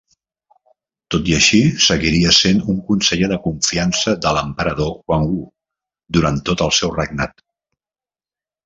Tot i així, seguiria sent un conseller de confiança de l'emperador Guangwu durant tot el seu regnat.